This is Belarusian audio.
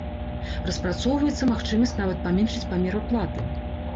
Распрацоўваецца магчымасць нават паменшыць памер аплаты.